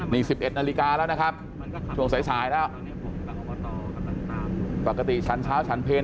นี่๑๑นาฬิกาแล้วนะครับช่วงสายสายแล้วปกติฉันเช้าฉันเพล